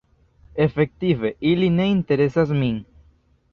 Efektive ili ne interesas min.